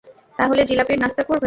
তাহলে জিলাপির নাস্তা করবেন?